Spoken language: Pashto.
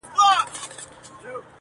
څوک چي په تېغ لوبي کوي زخمي به سینه-